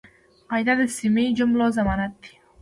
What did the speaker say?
قاعده د سمي جملې ضمانت دئ.